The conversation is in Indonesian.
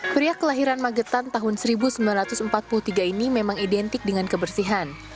pria kelahiran magetan tahun seribu sembilan ratus empat puluh tiga ini memang identik dengan kebersihan